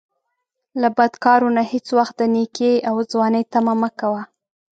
له بدکارو نه هیڅ وخت د نیکۍ او ځوانۍ طمعه مه کوه